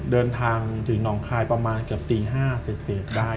เดินทางถึงหนองคายประมาณเกือบตี๕เสร็จได้